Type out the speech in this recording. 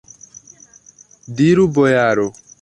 Diru, bojaro!